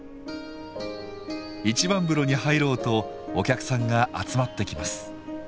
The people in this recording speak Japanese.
一番風呂に入ろうとお客さんが集まってきます。